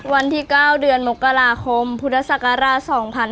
วันที่๙เดือนมกราคมพุทธศักราช๒๕๕๙